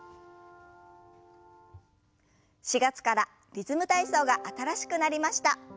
４月から「リズム体操」が新しくなりました。